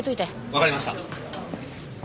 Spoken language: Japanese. わかりました。